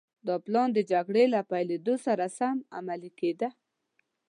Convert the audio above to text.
دا پلان د جګړې له پيلېدو سره سم عملي کېده.